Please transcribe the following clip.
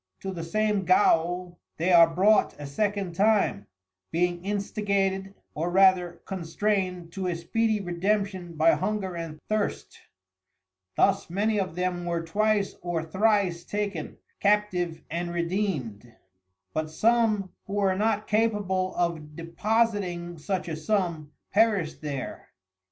To the same Gaol they are brought a second time, being instigated or rather constrained to a speedy Redemption by hunger and thirst; Thus many of them were twice or thrice taken, captiv'd and Redeedmed; but some who were not capable of Depositing such a sum, perished there.